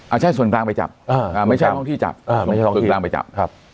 อ่ะใช่ส่วนกลางไปจับไม่ใช่ห้องที่จับส่วนกลางไปจับ